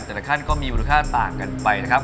แต่ละขั้นก็มีมูลค่าต่างกันไปนะครับ